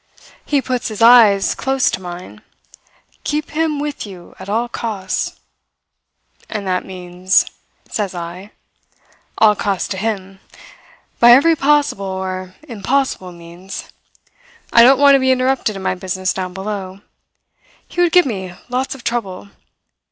He puts his eyes close to mine. 'Keep him with you at all costs.' "'And that means?' says I. "'All costs to him by every possible or impossible means. I don't want to be interrupted in my business down below. He would give me lots of trouble.